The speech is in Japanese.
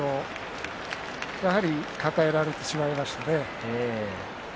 やはり抱えられてしまいましたね。